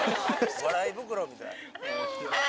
笑い袋みたい。